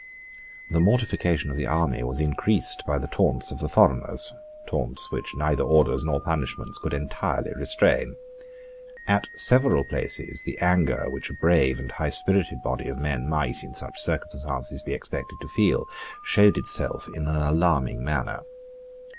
The mortification of the army was increased by the taunts of the foreigners, taunts which neither orders nor punishments could entirely restrain. At several places the anger which a brave and highspirited body of men might, in such circumstances, be expected to feel, showed itself in an alarming manner.